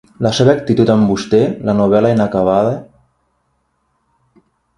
La seva actitud amb vostè, la novel·la inacabada...